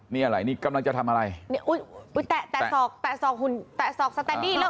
นี่อะไรนี่กำลังจะทำอะไรแตะสอกหุ่นแตะสอกสแตนดี้แล้ว